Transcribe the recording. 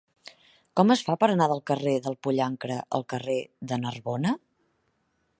Com es fa per anar del carrer del Pollancre al carrer de Narbona?